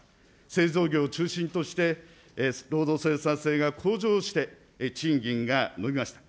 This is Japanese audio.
製造業を中心として、労働生産性が向上して、賃金が伸びました。